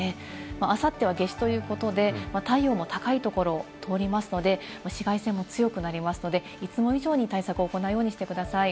あさっては夏至ということで、太陽も高いところを通りますので、紫外線も強くなりますので、いつも以上に対策を行うようにしてください。